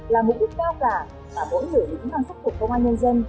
là mục đích cao cả và mỗi người cũng đang sắc phục công an nhân dân